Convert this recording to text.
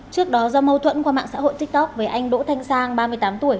trước đó do mâu thuẫn qua mạng xã hội tiktok với anh đỗ thanh sang ba mươi tám tuổi